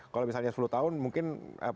kalau misalnya sepuluh tahun mungkin